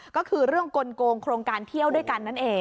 ก็คือเรื่องกลงโครงการเที่ยวด้วยกันนั่นเอง